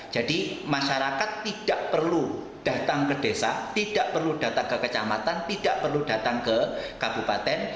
masyarakat tidak perlu datang ke desa tidak perlu datang ke kecamatan tidak perlu datang ke kabupaten